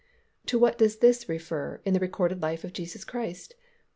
To what does this refer in the recorded life of Jesus Christ?